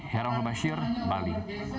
heran al barshir bali